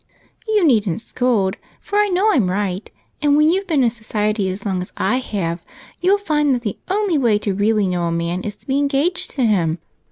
"You needn't scold, for I know I'm right, and when you've been in society as long as I have you'll find that the only way to really know a man is to be engaged to him.